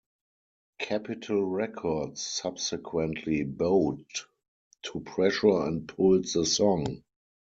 Capitol Records subsequently bowed to pressure and pulled the song.